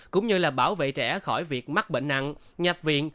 cũng như là bảo vệ trẻ khỏi việc mắc bệnh nặng nhập viện